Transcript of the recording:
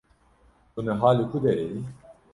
Tu niha li ku derê yî?